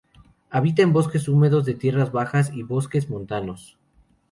Habita en bosques húmedos de tierras bajas y bosques montanos.